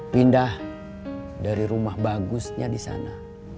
pindah dari rumah bagusnya di sana